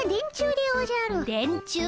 でんちゅう？